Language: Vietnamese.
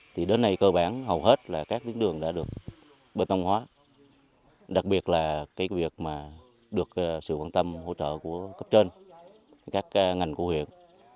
thì đến nay cơ bản hầu hết là các tuyến đường đã được bê tông hóa đặc biệt là cái việc mà được sự quan tâm hỗ trợ của cấp trên các ngành của huyện